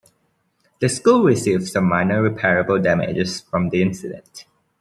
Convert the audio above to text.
The school received some minor repairable damages from the incident.